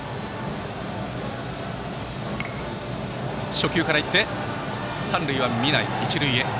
初球から行って三塁は見ない、一塁へ。